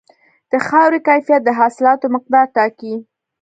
د خاورې کیفیت د حاصلاتو مقدار ټاکي.